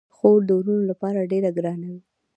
خور د وروڼو لپاره ډیره ګرانه وي.